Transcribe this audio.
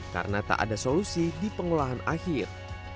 karena tak ada solusi di pengelolaan akhir